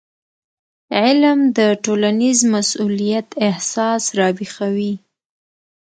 علم د ټولنیز مسؤلیت احساس راویښوي.